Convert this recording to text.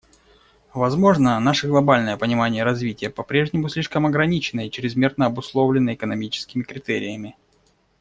Возможно, наше глобальное понимание развития по-прежнему слишком ограничено и чрезмерно обусловлено экономическими критериями.